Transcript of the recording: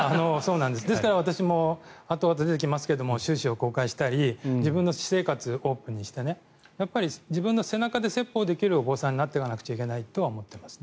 ですから私もあとで出てきますが収支を公開したり自分の私生活をオープンにして自分の背中で説法できるお坊さんになっていかなくちゃいけないとは思います。